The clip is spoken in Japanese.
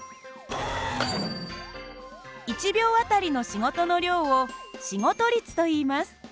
１秒あたりの仕事の量を仕事率といいます。